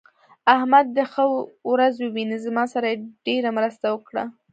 احمد دې ښه ورځ وويني؛ زما سره يې ډېره مرسته وکړه.